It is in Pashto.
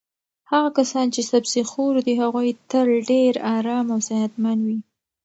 هغه کسان چې سبزي خور دي هغوی تل ډېر ارام او صحتمند وي.